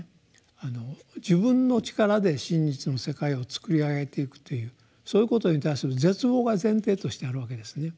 自分の力で真実の世界をつくり上げていくというそういうことに対する絶望が前提としてあるわけですね。